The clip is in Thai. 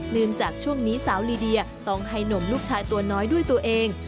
จากช่วงนี้สาวลีเดียต้องให้นมลูกชายตัวน้อยด้วยตัวเอง